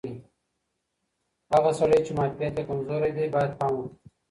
هغه سړی چې معافیت یې کمزوری دی باید پام وکړي.